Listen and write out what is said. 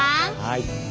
はい。